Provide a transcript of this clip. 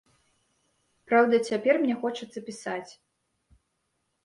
Праўда, цяпер мне хочацца пісаць.